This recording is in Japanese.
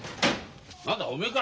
何だおめえか。